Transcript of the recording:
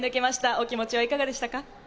お気持ちいかがでしたか？